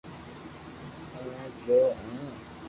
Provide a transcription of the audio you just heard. او مي جو ھون